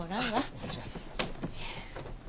お願いします。